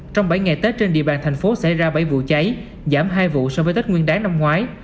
trong bảy ngày tết trên địa bàn thành phố xảy ra bảy vụ cháy giảm hai vụ so với tết nguyên đáng năm ngoái